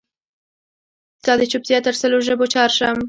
ستا دچوپتیا تر سلو ژبو جارشم